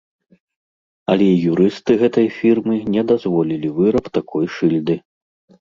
Але юрысты гэтай фірмы не дазволілі выраб такой шыльды.